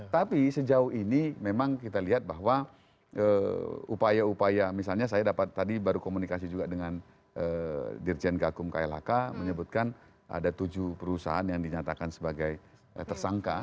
tapi sejauh ini memang kita lihat bahwa upaya upaya misalnya saya dapat tadi baru komunikasi juga dengan dirjen gakum klhk menyebutkan ada tujuh perusahaan yang dinyatakan sebagai tersangka